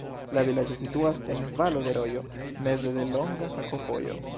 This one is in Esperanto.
La vilaĝo situas en valo de rojo, meze de longa sakovojo.